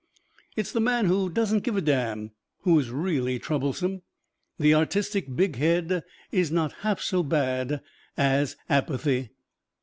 It's the man who "doesn't give a damn" who is really troublesome. The artistic big head is not half so bad as apathy.